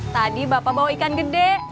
tadi bapak bawa ikan gede